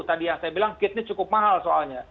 tadi yang saya bilang kitnya cukup mahal soalnya